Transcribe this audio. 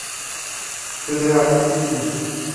Tu dê alî min bikî.